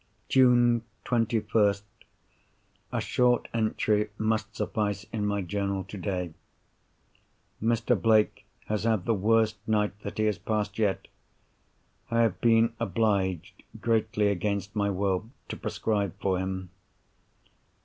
June 21st.—A short entry must suffice in my journal today. Mr. Blake has had the worst night that he has passed yet. I have been obliged, greatly against my will, to prescribe for him.